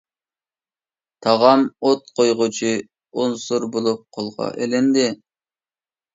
تاغام ئوت قويغۇچى ئۇنسۇر بولۇپ قولغا ئېلىندى.